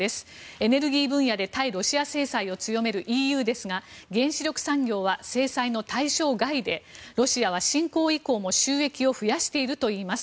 エネルギー分野で対ロシア制裁を強めるＥＵですが原子力産業は制裁の対象外でロシアは侵攻以降も収益を増やしているといいます。